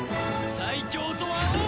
最強とは王！